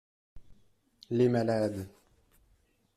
Les malades.